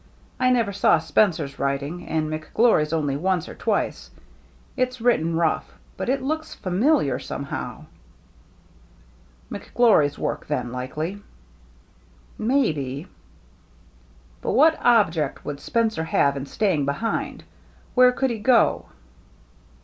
I never saw Spencer's writing, and McGlory's only once or twice. It's written rough, but it looks familiar, somehow." THE GINGHAM DRESS 257 " McGIory's work then, likely ?"" Maybe." " But what object would Spencer have in staying behind ? Where could he go